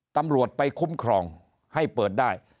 ตำรวจไปคุ้มครองให้เปิดได้